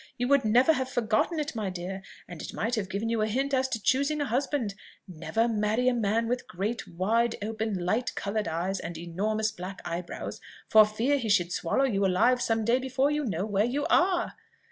you would never have forgotten it, my dear, and it might have given you a hint as to choosing a husband. Never marry a man with great, wide, open, light coloured eyes, and enormous black eyebrows, for fear he should swallow you alive some day before you know where you are.